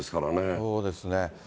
そうですね。